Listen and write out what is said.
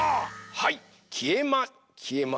はい。